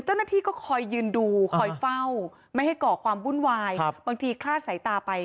เจ้าหน้าที่ก็คอยยืนดูคอยเฝ้าไม่ให้ก่อความวุ่นวายบางทีคลาดสายตาไป